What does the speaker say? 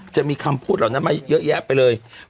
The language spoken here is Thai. จะมีคำพูดเหล่านั้นมาเยอะแยะไปเลย